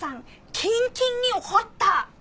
キンキンに怒った！